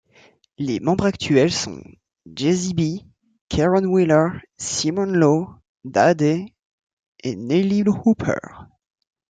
Les membres actuels sont Jazzie B, Caron Wheeler, Simon Law, Daddae et Nellee Hooper.